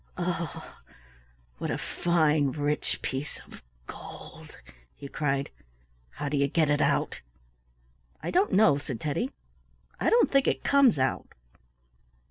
"Oh, what a fine rich piece of gold!" he cried. "How do you get it out?" "I don't know," said Teddy. "I don't think it comes out."